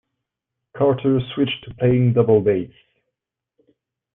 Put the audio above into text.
Carter switched to playing double bass.